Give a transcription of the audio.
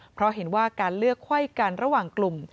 เพราะเห็นว่าการเลือกไข้กันระหว่างกลุ่ม